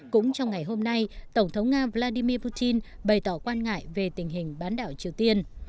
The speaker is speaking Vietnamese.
cũng trong ngày hôm nay tổng thống nga vladimir putin bày tỏ quan ngại về tình hình bán đảo triều tiên